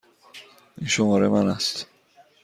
این شماره من است.